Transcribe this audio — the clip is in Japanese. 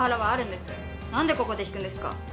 何でここで引くんですか？